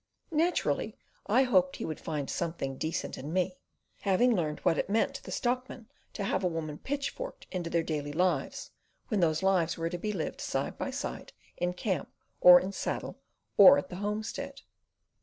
Naturally I hoped he would "find something decent in me," having learned what it meant to the stockmen to have a woman pitchforked into their daily lives, when those lives were to be lived side by side, in camp, or in saddle, or at the homestead.